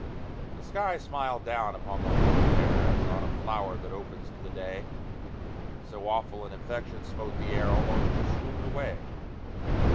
The sky smiled down upon the horror there As on a flower that opens to the day; So awful an infection smote the air, Almost you swooned away.